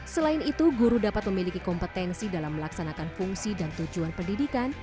selain itu guru dapat memiliki kompetensi dalam melaksanakan fungsi dan tujuan pendidikan